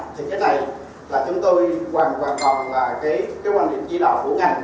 thì cái này là chúng tôi hoàn toàn là cái quan điểm chỉ đạo của ngành